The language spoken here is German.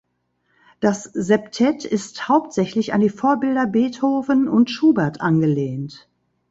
Das Septett ist hauptsächlich an die Vorbilder Beethoven und Schubert angelehnt.